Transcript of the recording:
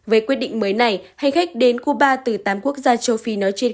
về quyết định mới này hành khách đến cuba từ tám quốc gia châu phi nói trên